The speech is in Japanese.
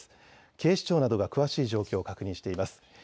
警視庁などが詳しい状況を確認しています。